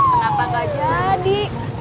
kenapa gak jadi